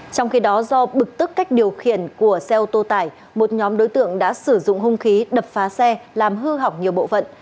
trong khi đó do bực tức cách điều khiển của xe ô tô tải một nhóm đối tượng đã sử dụng hung khí đập phá xe làm hư hỏng nhiều bộ phận